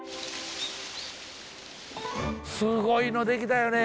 すごいの出来たよね。